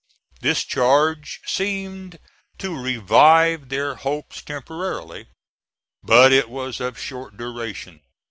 This charge seemed to revive their hopes temporarily; but it was of short duration.